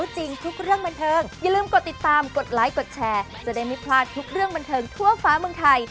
จะได้ไม่พลาดทุกเรื่องบันเทิงทั่วฟ้าเมืองไทย